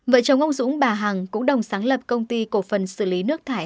vợ chồng ông dũng bà hằng cũng đồng sáng lập công ty cổ phần xử lý nước thải